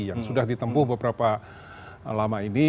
yang sudah ditempuh beberapa lama ini